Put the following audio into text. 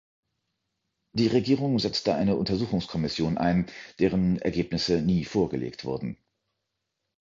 Die Regierung setzte eine Untersuchungskommission ein, deren Ergebnisse nie vorgelegt wurden.